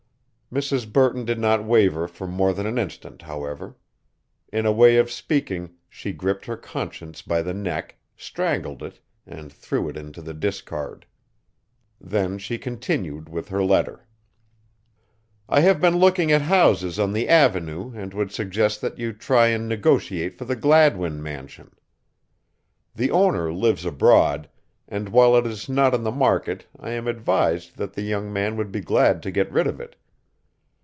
Mrs. Burton did not waver for more than an instant, however. In a way of speaking she gripped her conscience by the neck, strangled it, and threw it into the discard. Then she continued with her letter: "I have been looking at houses on the avenue and would suggest that you try and negotiate for the Gladwin mansion. The owner lives abroad, and while it is not in the market I am advised that the young man would be glad to get rid of it.